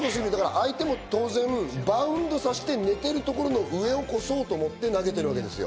相手もバウンドさせて寝てるところの上を越そうと思って投げてるわけですよ。